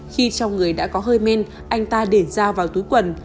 khi trong người đã có hơi men anh ta để dao vào túi quần